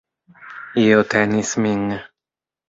Io tenis min.